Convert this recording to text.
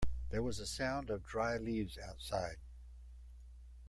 There was a sound of dry leaves outside.